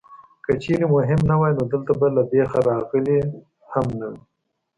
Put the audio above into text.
که چېرې مهم نه وای نو دلته به له بېخه راغلی هم نه وې.